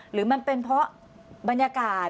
หรือมันเป็นเพราะบรรยากาศ